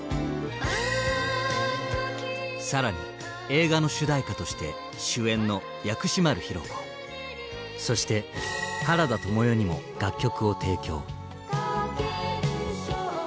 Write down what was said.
更に映画の主題歌として主演の薬師丸ひろ子そして原田知世にも楽曲を提供。